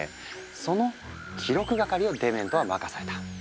その記録係をデメントは任された。